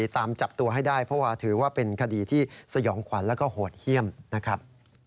ตามจับตัวให้ได้เพราะว่าถือว่าเป็นคดีที่สยองขวัญแล้วก็โหดเยี่ยมนะครับ